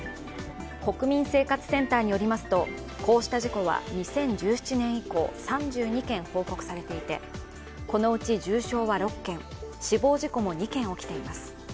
国民生活センターによりますとこうした事故は２０１７年以降３２件報告されていて、このうち重傷は６件、死亡事故も２件起きています。